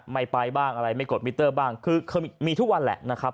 ไม่ไปบ้างอะไรไม่กดมิเตอร์บ้างคือมีทุกวันแหละนะครับ